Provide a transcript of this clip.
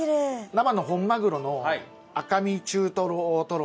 生の本マグロの赤身中トロ大トロ。